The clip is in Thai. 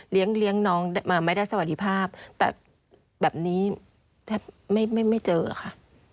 เลี้ยงน้องมาไม่ได้สวัสดิภาพแต่แบบนี้แทบไม่เจอค่ะ